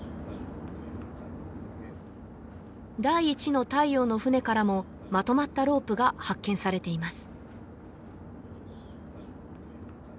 第一の太陽の船からもまとまったロープが発見されています